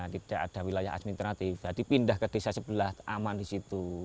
jadi ada wilayah administratif jadi pindah ke desa sebelah aman di situ